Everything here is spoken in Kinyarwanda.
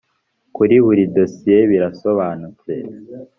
kuri buri dosiye birasobanutse